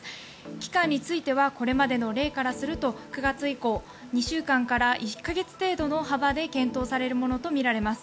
期間についてはこれまでの例からすると９月以降２週間から１か月程度の幅で検討されるものとみられます。